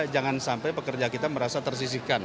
jangan sampai pekerja kita merasa tersisihkan